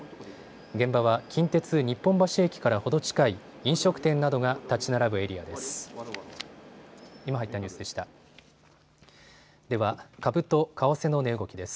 現場は近鉄日本橋駅から程近い飲食店などが建ち並ぶエリアです。